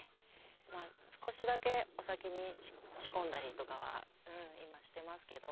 まあ少しだけお酒に仕込んだりとかは今してますけど。